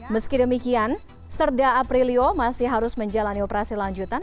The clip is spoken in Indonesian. meski demikian serda aprilio masih harus menjalani operasi lanjutan